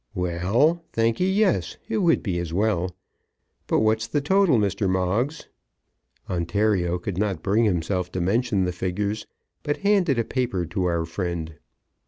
"Well; thankee, yes. It would be as well. But what's the total, Mr. Moggs?" Ontario could not bring himself to mention the figures, but handed a paper to our friend.